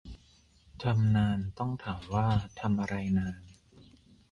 ทำนาน ต้องถามว่าทำอะไรนาน